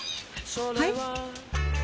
はい？